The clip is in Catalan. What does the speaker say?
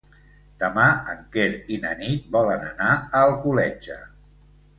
Demà en Quer i na Nit volen anar a Alcoletge.